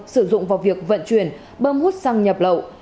sử dụng vào việc vận chuyển bơm hút xăng nhập lậu